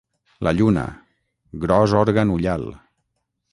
La lluna: gros òrgan ullal.